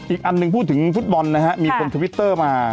อีกอันหนึ่งพูดถึงฟุตบอลนะฮะมีคนทวิตเตอร์มา